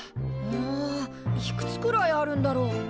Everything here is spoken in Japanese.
うんいくつくらいあるんだろう？